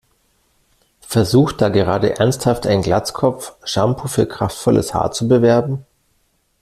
Versucht da gerade ernsthaft ein Glatzkopf, Shampoo für kraftvolles Haar zu bewerben?